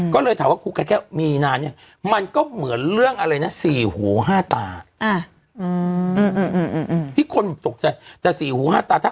เกิดเรื่องอะไรนะสี่หูห้าตา